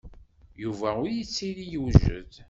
Yuba ur yettili yewjed.